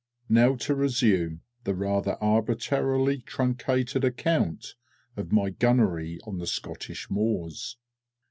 _ Now to resume the rather arbitrarily truncated account of my gunnery on Scottish moors.